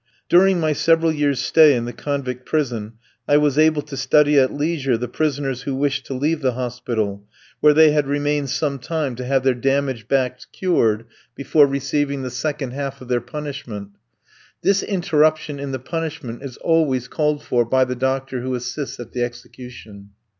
During my several years' stay in the convict prison I was able to study at leisure the prisoners who wished to leave the hospital, where they had remained some time to have their damaged backs cured before receiving the second half of their punishment. This interruption in the punishment is always called for by the doctor who assists at the execution.